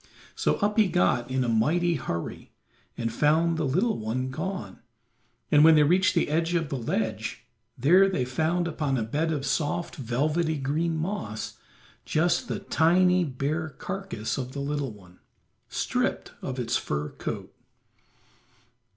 So up he got in a mighty hurry and found the little one gone, and when they reached the edge of the ledge, there they found upon a bed of soft velvety green moss just the tiny, bare carcass of the little one, stripped of its fur coat.